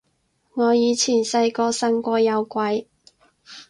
我以前細個信過有鬼